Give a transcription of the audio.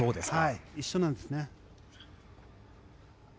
一緒なんですね。